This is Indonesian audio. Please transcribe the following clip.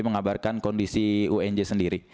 mengabarkan kondisi unj sendiri